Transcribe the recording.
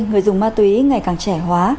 người dùng ma túy ngày càng trẻ hóa